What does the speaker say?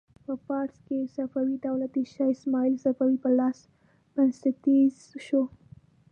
په فارس کې صفوي دولت د شا اسماعیل صفوي په لاس بنسټیز شو.